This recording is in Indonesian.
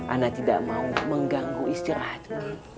ana tidak mau mengganggu istirahatnya